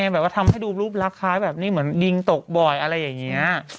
แบบว่าทำให้ดูรูปรักคล้ายแบบนี้เหมือนดินตกบ่อยอะไรอย่างนี้